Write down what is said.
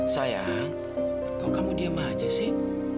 sayang kok kamu diem aja sih